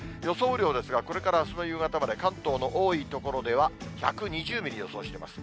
雨量ですが、これからあすの夕方まで、関東の多い所では、１２０ミリを予想しています。